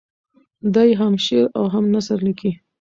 دی هم شعر او هم نثر لیکي.